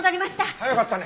早かったね。